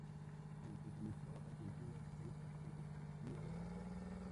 Se especializó en pinturas históricas recientes y en retratos.